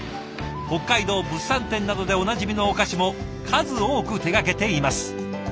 北海道物産展などでおなじみのお菓子も数多く手がけています。